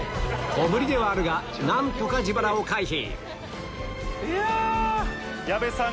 小ぶりではあるが何とか自腹を回避